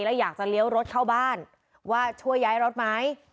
แล้วอยากจะเลี้ยวรถเข้าบ้านว่าช่วยย้ายรถไหม